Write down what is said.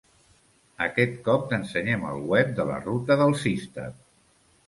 Aquest cop t'ensenyem el web de la Ruta del Cister.